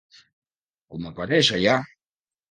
Com apareix allà?